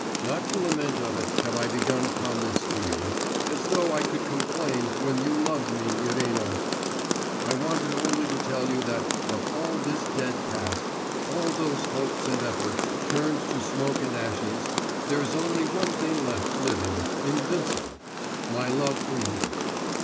Not to lament of it, have I begun upon this to you.... As though I could complain when you love me, Irina! I wanted only to tell you that, of all this dead past, all those hopes and efforts, turned to smoke and ashes, there is only one thing left living, invincible, my love for you.